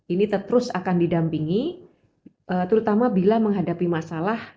ini terus akan didampingi terutama bila menghadapi masalah